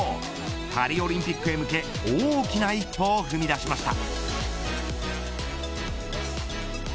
パリオリンピックへ向け大きな一歩を踏み出しました。